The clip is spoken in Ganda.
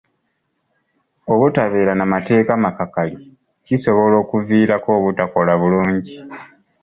Obutabeera na mateeka makakali kisobola okuviirako obutakola bulungi.